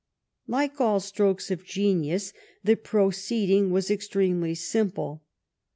Like all strokes of genius, the proceed ing was extremely simple.